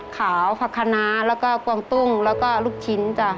ขาวผักคณะแล้วก็กวงตุ้งแล้วก็ลูกชิ้นจ้ะ